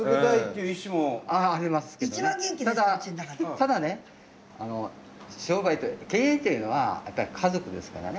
ただね商売経営っていうのはやっぱり家族ですからね。